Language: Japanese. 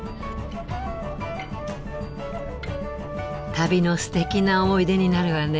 旅のすてきな思い出になるわね。